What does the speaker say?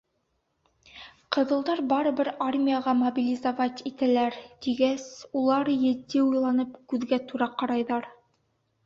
— Ҡыҙылдар барыбер армияға мобилизовать итәләр, — тигәс, улар етди уйланып күҙгә тура ҡарайҙар: